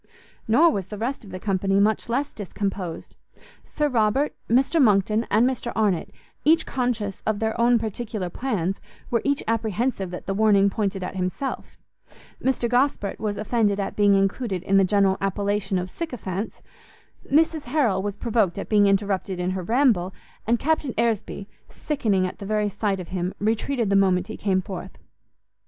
Nor was the rest of the company much less discomposed: Sir Robert, Mr Monckton, and Mr Arnott, each conscious of their own particular plans, were each apprehensive that the warning pointed at himself: Mr Gosport was offended at being included in the general appellation of sycophants; Mrs Harrel was provoked at being interrupted in her ramble; and Captain Aresby, sickening at the very sight of him, retreated the moment he came forth.